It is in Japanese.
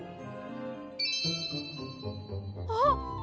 あっ！